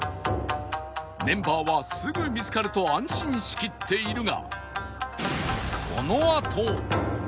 メンバーはすぐ見つかると安心しきっているが